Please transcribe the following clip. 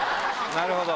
なるほど。